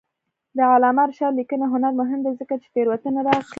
د علامه رشاد لیکنی هنر مهم دی ځکه چې تېروتنې رااخلي.